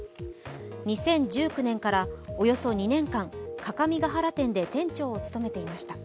２０１９年からおよそ２年間、各務原店で店長を務めていました。